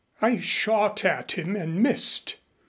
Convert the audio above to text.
"I shot at him and missed."